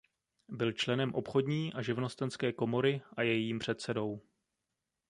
Byl členem obchodní a živnostenské komory a jejím předsedou.